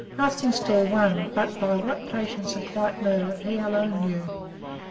Arstingstall won, but by what patience and quiet nerve he alone knows.